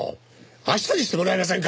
明日にしてもらえませんか？